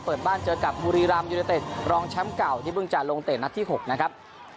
เปิดบ้านเจอกับบุรีรำยูเนเต็ดรองแชมป์เก่าที่เพิ่งจะลงเตะนัดที่๖นะครับ